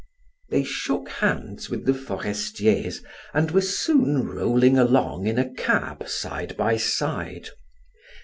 They shook hands with the Forestiers and were soon rolling along in a cab side by side.